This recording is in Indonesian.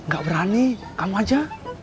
gak berani kamu aja